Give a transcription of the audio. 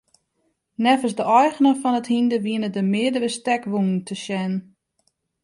Neffens de eigener fan it hynder wiene der meardere stekwûnen te sjen.